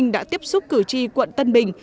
đã tiếp xúc cử tri quận tân bình